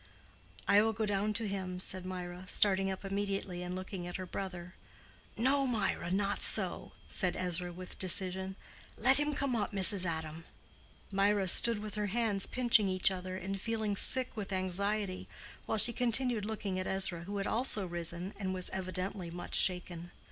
"I will go down to him," said Mirah, starting up immediately and looking at her brother. "No, Mirah, not so," said Ezra, with decision. "Let him come up, Mrs. Adam." Mirah stood with her hands pinching each other, and feeling sick with anxiety, while she continued looking at Ezra, who had also risen, and was evidently much shaken.